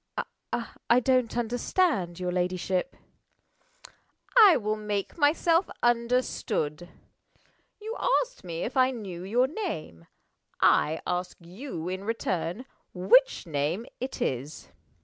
"I don't understand your ladyship." "I will make myself understood. You asked me if I knew your name. I ask you, in return, which name it is?